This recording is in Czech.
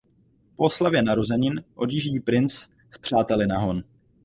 Po oslavě narozenin odjíždí princ s přáteli na hon.